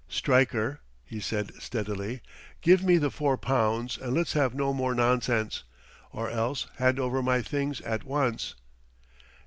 "Stryker," he said steadily, "give me the four pounds and let's have no more nonsense; or else hand over my things at once."